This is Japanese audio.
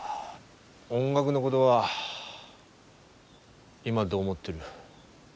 音楽のごどは今どう思ってる？